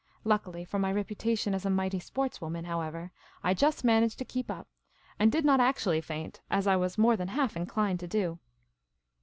Luckily for my reputation as a mighty sports woman, however, I just managed to keep up, and did not actually faint, as I was more than half inclined to do.